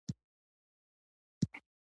چې مازديګر چې دى کور ته ځي.